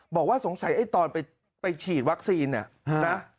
บอกว่าสงสัยไอ้ตอนไปฉีดวัคซีนเนี่ยนะ